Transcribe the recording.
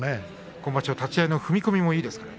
今場所は立ち合いの踏み込みもいいですからね。